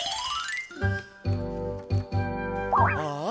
ああ！